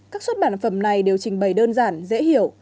các xuất bản phẩm này đều trình bày đơn giản dễ hiểu